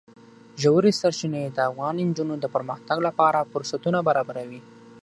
ژورې سرچینې د افغان نجونو د پرمختګ لپاره فرصتونه برابروي.